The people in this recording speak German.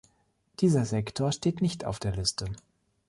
Dieser Sektor steht nicht auf der Liste.